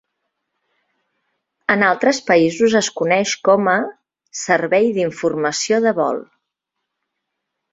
En altres països es coneix com a "Servei d'Informació de Vol".